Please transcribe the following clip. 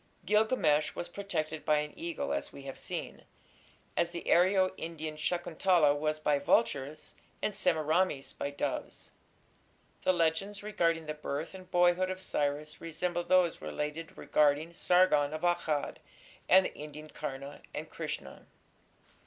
Gilgamesh was protected by an eagle, as we have seen, as the Aryo Indian Shakuntala was by vultures and Semiramis by doves. The legends regarding the birth and boyhood of Cyrus resemble those related regarding Sargon of Akkad and the Indian Karna and Krishna.